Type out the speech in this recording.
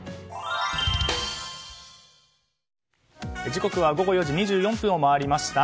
時刻は午後４時２４分を回りました。